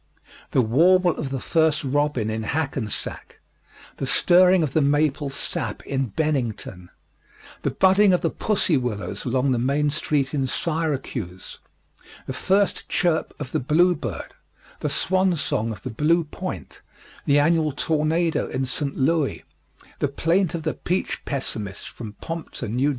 The warble of the first robin in Hackensack, the stirring of the maple sap in Bennington, the budding of the pussy willows along the main street in Syracuse, the first chirp of the blue bird, the swan song of the blue point, the annual tornado in St. Louis, the plaint of the peach pessimist from Pompton, N.J.